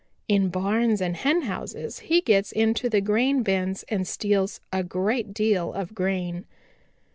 In barns and henhouses he gets into the grain bins and steals a great deal of grain.